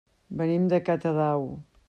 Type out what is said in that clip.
Venim de Catadau.